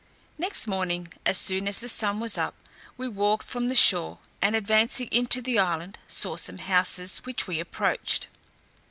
Next morning, as soon as the sun was up, we walked from the shore, and advancing into the island, saw some houses, which we approached.